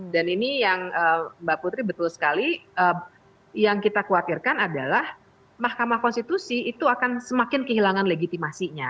dan ini yang mbak putri betul sekali yang kita khawatirkan adalah mahkamah konstitusi itu akan semakin kehilangan legitimasinya